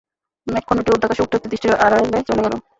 মেঘখণ্ডটি উর্ধ্বাকাশে উঠতে উঠতে দৃষ্টির আড়ালে চলে গেল।